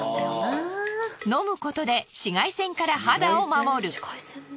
「飲むことで紫外線から肌を守る」。